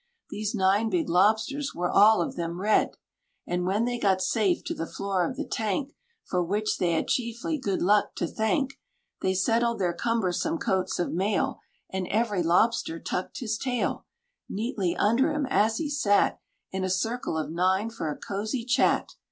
These nine big lobsters were all of them red. And when they got safe to the floor of the tank, For which they had chiefly good luck to thank, They settled their cumbersome coats of mail, And every lobster tucked his tail Neatly under him as he sat In a circle of nine for a cosy chat.